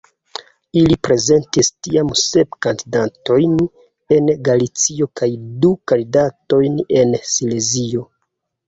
Ili prezentis tiam sep kandidatojn en Galicio kaj du kandidatojn en Silezio.